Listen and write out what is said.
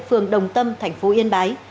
phường đồng tâm thành phố yên bái